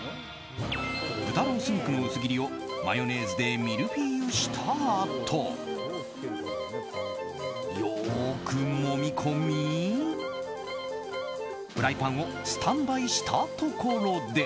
豚ロース肉の薄切りをマヨネーズでミルフィーユしたあとよくもみ込み、フライパンをスタンバイしたところで。